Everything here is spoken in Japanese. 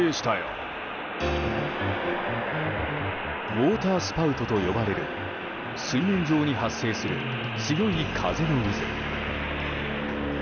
ウォータースパウトと呼ばれる水面上に発生する強い風の渦。